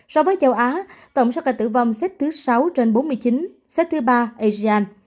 so với châu á tổng số ca tử vong xếp thứ sáu trên bốn mươi chín xếp thứ ba asean